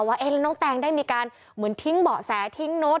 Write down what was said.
ว่าแล้วน้องแตงได้มีการเหมือนทิ้งเบาะแสทิ้งโน้ต